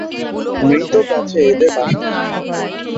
মৃত গাছে এদের বাসা থাকে।